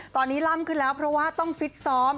ตอนนี้ล่ำขึ้นแล้วเพราะว่าต้องฟิตซ้อม